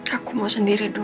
aku mau sendiri dulu